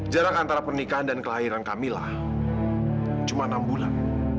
jarak antara pernikahan dan kelahiran kamilah cuma enam bulan